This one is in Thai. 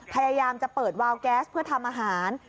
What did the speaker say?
พยายามจะเปิดวาวแก๊สเพื่อทำอาหาร